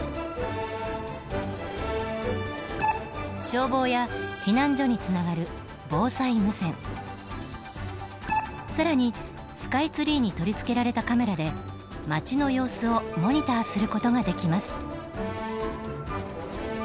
消防や避難所につながる更にスカイツリーに取り付けられたカメラで町の様子をモニターすることができます。